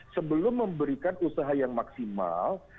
sebelum memberikan usaha yang maksimal